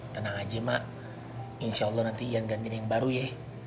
tenang aja mak insyaallah nanti yang gantinya yang baru ye